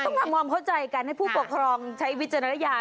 ต้องคำความเข้าใจการให้ผู้ปกครองใช้วิจรัยาณ